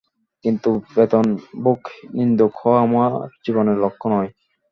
কিন্তু বেতনভুক নিন্দুক হওয়া আমার জীবনের লক্ষ্য নয়।